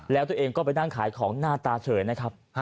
แล้วตัวเองก็ไปนั่งขายของหน้าตาเฉยนะครับ